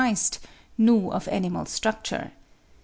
knew of animal structure.